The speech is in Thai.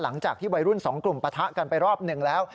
หลังจากที่วัยรุ่นสองกลุ่มปะทะกันไปรอบหนึ่งแล้ว